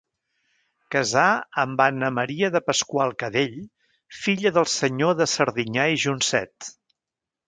Casà amb Anna Maria de Pasqual-Cadell, filla del senyor de Serdinyà i Joncet.